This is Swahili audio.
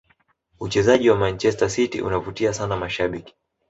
uchezaji wa manchester city unavutia sana mashabiki